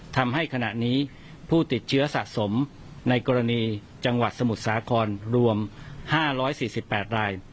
ทำให้ขณะนี้ผู้ติดเชื้อสะสมในกรณีจังหวัดสมุทรสาครรวม๕๔๘ราย